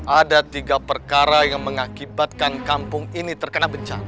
ada tiga perkara yang mengakibatkan kampung ini terkena bencana